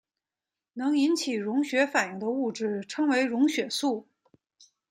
能引起溶血反应的物质称为溶血素。